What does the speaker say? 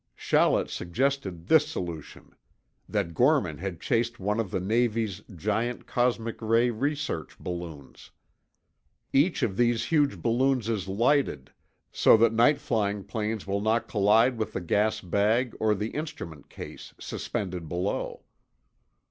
Shallet suggested this solution: that Gorman had chased one of the Navy's giant cosmic ray research balloons. Each of these huge balloons is lighted, so that night flying planes will not collide with the gas bag or the instrument case suspended below.